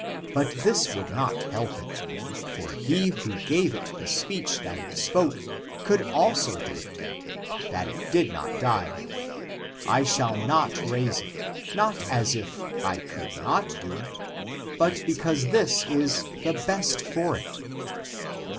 But this would not help it. For he who gave it the speech that it spoke, could also do it, that it did not die. I shall not raise it, not as if I could not do it, but because this is the best for it."